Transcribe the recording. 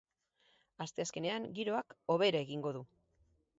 Astezkenean giroak hobera egingo du.